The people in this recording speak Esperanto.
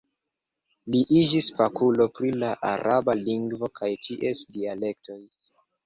Li iĝis fakulo pri la araba lingvo kaj ties dialektoj.